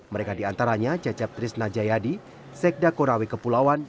mereka diantaranya cacep trisna jayadi sekda korawi kepulauan